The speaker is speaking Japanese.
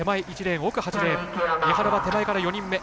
江原は手前から１人目。